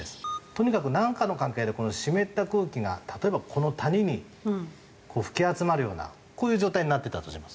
とにかくなんかの関係でこの湿った空気が例えばこの谷に吹き集まるようなこういう状態になってたとします。